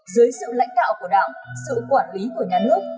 dưới sự lãnh đạo của đảng sự quản lý của nhà nước